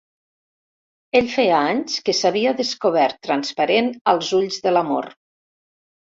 Ell feia anys que s'havia descobert transparent als ulls de l'amor.